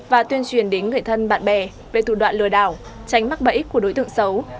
và tuyên truyền đến người thân bạn bè về thủ đoạn lừa đảo tránh mắc bẫy của đối tượng xấu